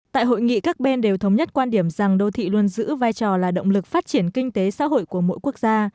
tại hội nghị các bên đều thống nhất quan điểm rằng đô thị luôn giữ vai trò là động lực phát triển kinh tế xã hội của mỗi quốc gia